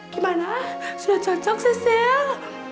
gimana sudah cocok si sil